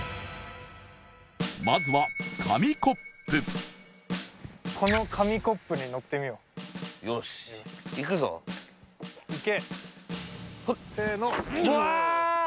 まずは紙コップこの紙コップに乗ってみようよしいくぞいけせーのうわーっ！